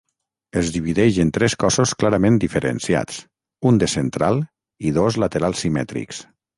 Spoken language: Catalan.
Es divideix en tres cossos clarament diferenciats, un de central i dos laterals simètrics.